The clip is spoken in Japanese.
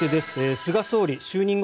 菅総理、就任後